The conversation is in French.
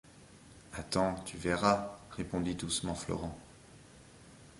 Attends, tu verras, répondit doucement Florent.